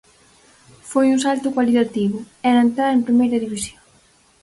Foi un salto cualitativo, era entrar en primeira división.